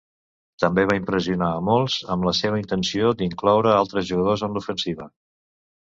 També va impressionar a molts amb la seva intenció d'incloure a altres jugadors en l'ofensiva.